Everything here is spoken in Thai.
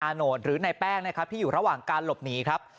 โหนดหรือในแป้งนะครับที่อยู่ระหว่างการหลบหนีครับ